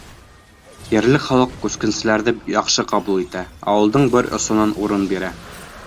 Ерле халыҡ күскенселәрҙе яҡшы ҡабул итә, ауылдың бер осонан урын бирә.